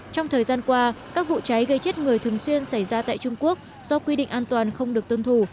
trong thời gian qua các vụ cháy gây chết người thường xuyên xảy ra tại trung quốc do quy định an toàn không được tuân thủ